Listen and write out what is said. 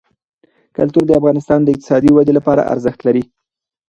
کلتور د افغانستان د اقتصادي ودې لپاره ارزښت لري.